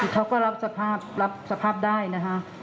เขาก็รับสภาพรับสภาพได้นะคะ